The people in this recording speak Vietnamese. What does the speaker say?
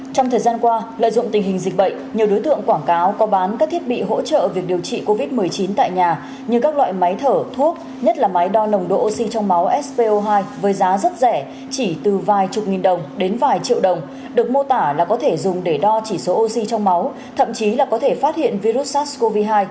trong thời gian qua lợi dụng tình hình dịch bệnh nhiều đối tượng quảng cáo có bán các thiết bị hỗ trợ việc điều trị covid một mươi chín tại nhà như các loại máy thở thuốc nhất là máy đo nồng độ oxy trong máu sco hai với giá rất rẻ chỉ từ vài chục nghìn đồng đến vài triệu đồng được mô tả là có thể dùng để đo chỉ số oxy trong máu thậm chí là có thể phát hiện virus sars cov hai